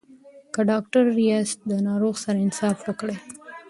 که ډاکټر یاست له ناروغ سره انصاف وکړئ.